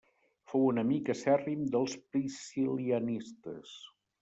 Fou enemic acèrrim dels priscil·lianistes.